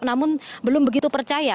namun belum begitu percaya